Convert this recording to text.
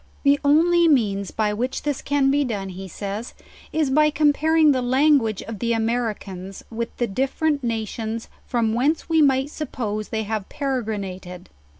The only means by which this can be done, he says, is by comparing the language of the Americans with the different nations from whence we might suppose they have peregrina ted.